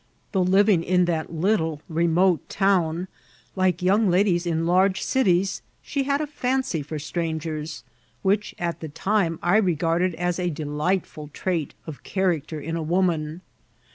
Though living in that little remote town, like yoimg ladies in large cities, she had a fiEuncy for strangers, which at the time I regarded as a delight ful trait of character in a woman.